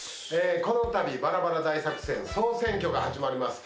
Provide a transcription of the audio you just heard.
この度バラバラ大作戦総選挙が始まります。